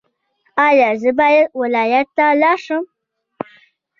ایا زه باید ولایت ته لاړ شم؟